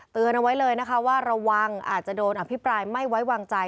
เอาไว้เลยนะคะว่าระวังอาจจะโดนอภิปรายไม่ไว้วางใจ